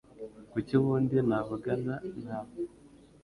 Kuki ubundi navugana nawe?